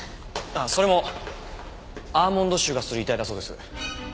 あっそれもアーモンド臭がする遺体だそうです。